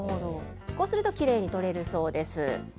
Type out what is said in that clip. こうするときれいに取れるそうです。